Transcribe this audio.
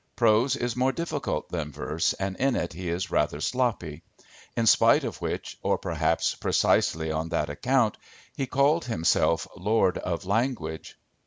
Prose is more difficult than verse and in it he is rather sloppy. In spite of which, or perhaps precisely on that account, he called himself lord of language.